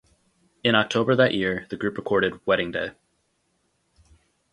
In October that year, the group recorded "Wedding Day".